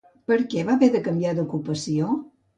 Per què va haver de canviar d'ocupació?